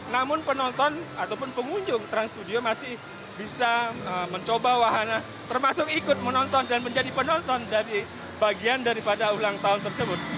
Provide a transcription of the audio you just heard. namun penonton ataupun pengunjung trans studio masih bisa mencoba wahana termasuk ikut menonton dan menjadi penonton dari bagian daripada ulang tahun tersebut